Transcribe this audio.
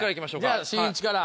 じゃしんいちから。